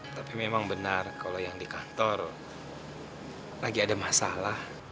tapi memang benar kalau yang di kantor lagi ada masalah